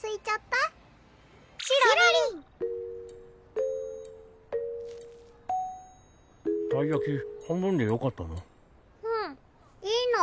たい焼き半分でよかったの？